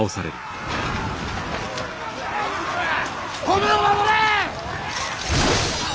米を守れ！